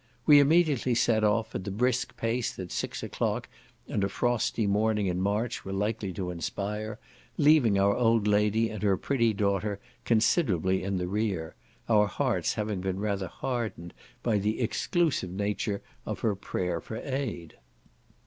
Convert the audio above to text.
We immediately set off, at the brisk pace that six o'clock and a frosty morning in March were likely to inspire, leaving our old lady and her pretty daughter considerably in the rear; our hearts having been rather hardened by the exclusive nature of her prayer for aid.